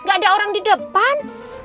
gak ada orang di depan